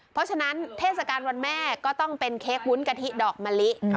เพราะฉะนั้นเทศกาลวันแม่ก็ต้องเป็นเค้กวุ้นกะทิดอกมะลิ